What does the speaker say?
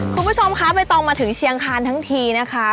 คุณผู้ชมคะใบตองมาถึงเชียงคานทั้งทีนะคะ